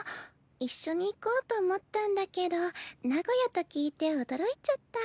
一緒に行こうと思ったんだけど名古屋と聞いて驚いちゃった。